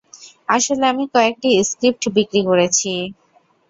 আসলে, আমি কয়েকটি স্ক্রিপ্ট বিক্রি করেছি।